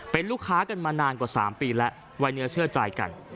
เป็นลูกค้ากันมานานกว่า๓ปีแล้วไว้เนื้อเชื่อใจกัน